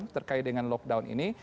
terkait dengan lockdown ini